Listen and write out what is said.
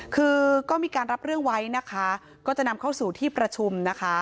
คือก็มีการรับเรื่องไว้นะคะก็จะนำเข้าสู่ที่ประชุมนะคะ